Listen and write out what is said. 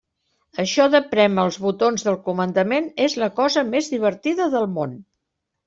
Això de prémer els botons del comandament és la cosa més divertida del món!